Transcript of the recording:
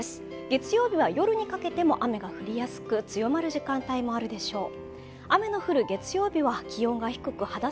月曜日は夜にかけても雨が降りやすく強まる時間帯もあるでしょう。